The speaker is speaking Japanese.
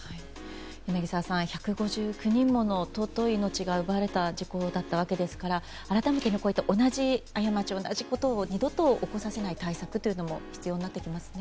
柳澤さん、１５９人もの尊い命が奪われた事故だったわけですから改めて、同じ過ちや大事故を二度と起こさせない対策というのも必要になってきますね。